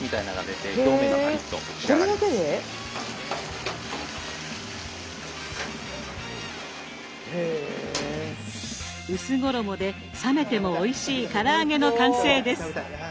薄衣で冷めてもおいしいから揚げの完成です。